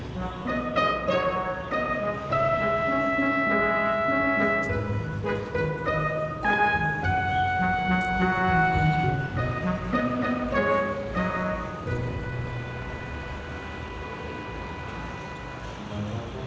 tidak ada yang nunggu